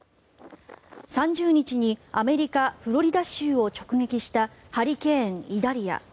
３０日にアメリカ・フロリダ州を直撃したハリケーン、イダリア。